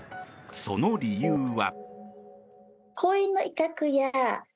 その理由は。